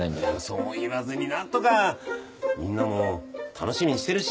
そう言わずに何とか。みんなも楽しみにしてるし。